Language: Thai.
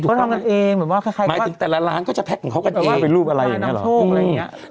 หมายถึงแต่ละร้านก็จะแพ็กกันเขากันเองมานำโชคอะไรอย่างนี้